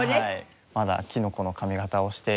まだキノコの髪形をしていました。